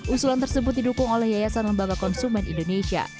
usulan tersebut didukung oleh yayasan lembaga konsumen indonesia